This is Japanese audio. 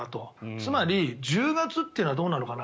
つまり１０月っていうのはどうなのかな。